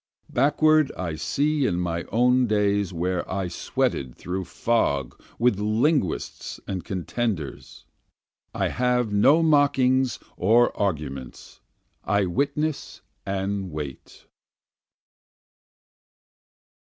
Backward I see in my own days where I sweated through fog with linguists and contenders, I have no mockings or arguments, I witness and wait.